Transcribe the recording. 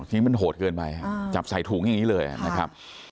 ทีนี้มันโหดเกินไปจับใส่ถุงอย่างนี้เลยนะครับ